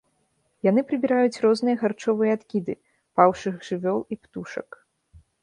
Яны прыбіраюць розныя харчовыя адкіды, паўшых жывёл і птушак.